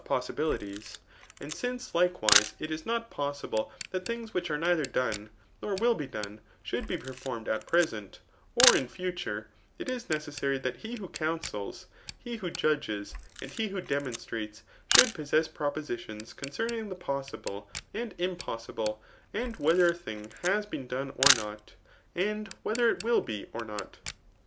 possibiiities ; and since, likewise, it is not possible that things which are ndther done, nor will be done, ijbould be performed at present, or in future, it is neties* sary that he who counsels, he who judges, and he who demonstrates, should i possess propositions concerning the poesible and impossible, and whether a thmg^has been done or not, and whether it will be or not.